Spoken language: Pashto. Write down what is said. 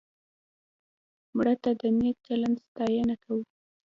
مړه ته د نیک چلند ستاینه کوو